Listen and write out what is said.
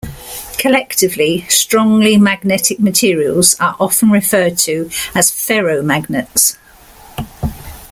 Collectively, strongly magnetic materials are often referred to as ferromagnets.